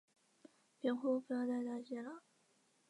布杰上天将它捉到人间囚禁。